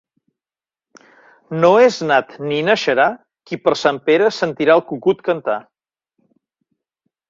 No és nat ni naixerà qui per Sant Pere sentirà el cucut cantar.